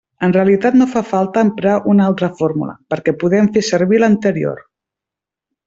En realitat no fa falta emprar una altra fórmula, perquè podem fer servir l'anterior.